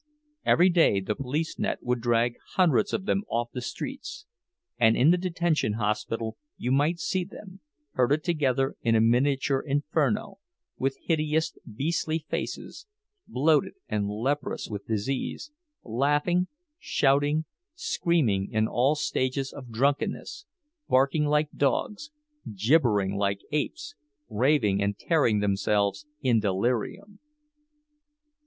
Every day the police net would drag hundreds of them off the streets, and in the detention hospital you might see them, herded together in a miniature inferno, with hideous, beastly faces, bloated and leprous with disease, laughing, shouting, screaming in all stages of drunkenness, barking like dogs, gibbering like apes, raving and tearing themselves in delirium.